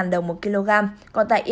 ba mươi ba đồng một kg còn tại